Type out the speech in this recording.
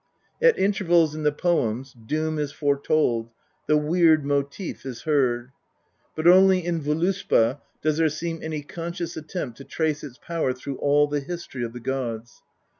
At intervals in the poems Doom is foretold, the Weird motive is heard. But only in Voluspd does there seem any conscious attempt to trace its power through all the history of the gods.